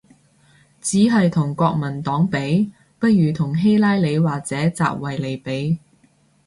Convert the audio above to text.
只係同國民黨比？，不如同希特拉或者習維尼比